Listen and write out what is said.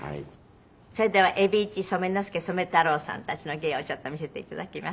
それでは海老一染之助・染太郎さんたちの芸をちょっと見せて頂きます。